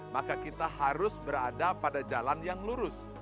maka kita harus berada pada jalan yang lurus